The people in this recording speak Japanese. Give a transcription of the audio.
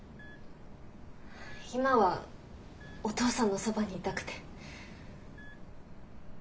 今はお父さんのそばにいたくて。